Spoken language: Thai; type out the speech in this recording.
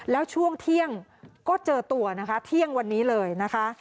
แล้วช่วงเที่ยงก็เจอตัวนะคะเที่ยงวันนี้เลยนะคะ